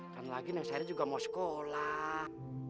kan lagi neng sari juga mau sekolah